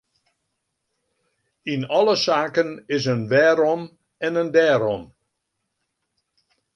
Yn alle saken is in wêrom en in dêrom.